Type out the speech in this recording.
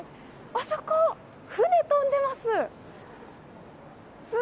あそこ、船飛んでます。